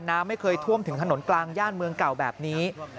น้ำไม่เคยท่วมถึงถนนกลางย่านเมืองเก่าแบบนี้